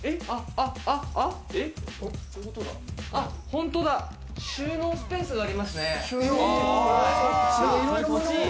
本当だ、収納スペースがありますね。